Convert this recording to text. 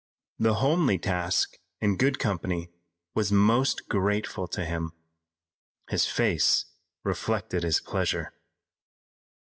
The homely task in good company was most grateful to him. His face reflected his pleasure.